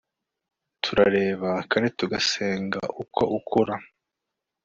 turareba kandi tugasenga uko ukura